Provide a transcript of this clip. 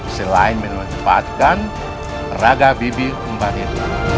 selain menempatkan raga bibir umpah itu